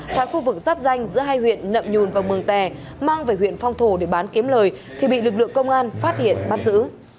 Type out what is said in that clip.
tại khu vực giáp danh giữa hai huyện nậm nhùn và mường tè mang về huyện phong thổ để bán kiếm lời thì bị lực lượng công an phát hiện bắt giữ